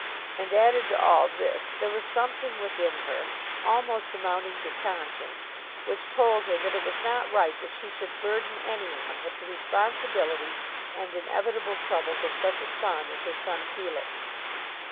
And added to all this there was something within her, almost amounting to conscience, which told her that it was not right that she should burden any one with the responsibility and inevitable troubles of such a son as her son Felix.